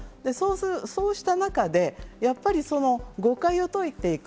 そうした中で、誤解を解いていく。